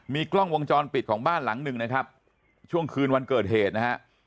กล้องวงจรปิดของบ้านหลังหนึ่งนะครับช่วงคืนวันเกิดเหตุนะฮะ